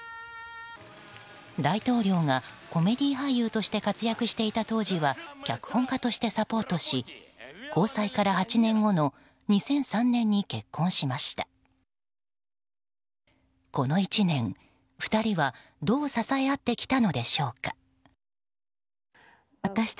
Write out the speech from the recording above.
大統領がコメディー俳優として活躍していた当時は脚本家としてサポートし交際から８年後の２００３年に結婚しました。